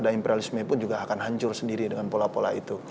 dan imperialisme pun juga akan hancur sendiri dengan pola pola itu